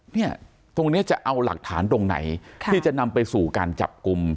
เนี่ยตรงนี้จะเอาหลักฐานตรงไหนที่จะนำไปสู่การจับกลุ่ม